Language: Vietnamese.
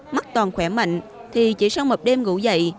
mắt toàn khỏe mạnh thì chỉ sau một đêm ngủ dậy